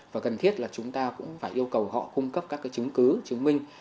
và cần thiết là chúng ta cũng phải yêu cầu họ cung cấp các chứng cứ chứng minh